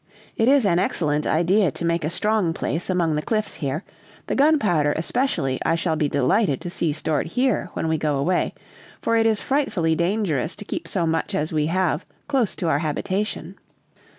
It is an excellent idea to make a strong place among the cliffs here; the gunpowder especially, I shall be delighted to see stored here when we go away, for it is frightfully dangerous to keep so much as we have close to our habitation."